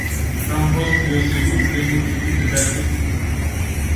Am fost deosebit de mulțumită de acest lucru.